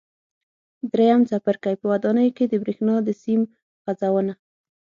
درېیم څپرکی: په ودانیو کې د برېښنا د سیم غځونه